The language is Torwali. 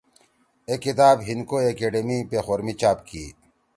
اے کتاب ہندکو ایکیڈیمی پیخور می چاپ کی